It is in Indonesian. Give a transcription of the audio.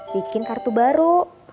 bikin kartu baru